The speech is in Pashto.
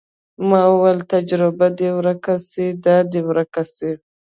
ما وويل تجربه دې يې ورکه سي دا دې ورکه سي.